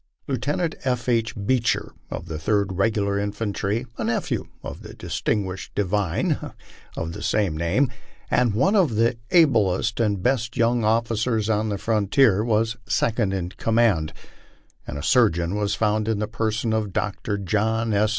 Lieutenant F. H. Bcecher, of the Third Regular Infantry, a nephew of the distinguished divine of the same name, and one of the ablest and best young officers on the frontier, was second in command ; and a surgeon was found in the person of Dr. John S.